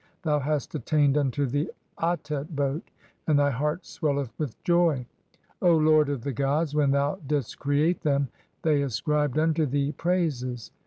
Thou hast attained unto "the Atet boat, and thy heart swelleth with joy. O lord of the "gods, when thou didst create (8) them they ascribed unto thee "praises.